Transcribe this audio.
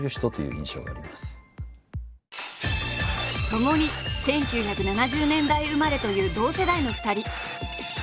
ともに１９７０年代生まれという同世代の２人。